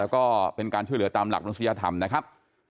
แล้วก็เป็นการช่วยเหลือตามหลักมนุษยธรรมนะครับ